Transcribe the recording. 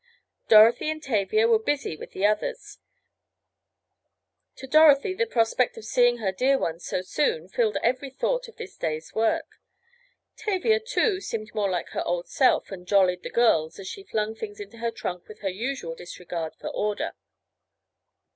Dorothy and Tavia were busy with the others. To Dorothy the prospect of seeing her dear ones so soon, filled every thought of this day's work. Tavia, too, seemed more like her old self and "jollied the girls" as she flung things into her trunk with her usual disregard for order.